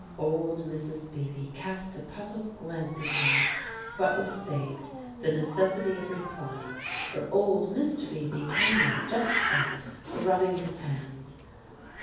Old Mrs. Beebe cast a puzzled glance at him, but was saved the necessity of replying; for old Mr. Beebe came in just then, rubbing his hands.